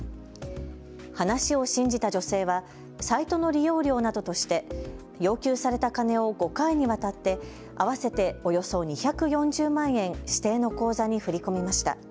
話を信じた女性はサイトの利用料などとして要求された金を５回にわたって合わせておよそ２４０万円指定の口座に振り込みました。